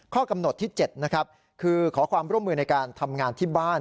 ข้อกำหนดที่๗นะครับคือขอความร่วมมือในการทำงานที่บ้าน